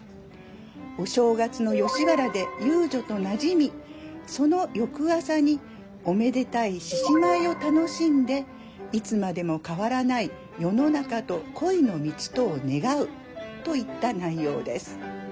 お正月の吉原で遊女となじみその翌朝におめでたい獅子舞を楽しんでいつまでも変わらない世の中と恋の道とを願うといった内容です。